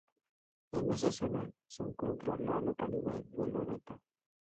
En esa zona se encuentra la localidad de Loreto.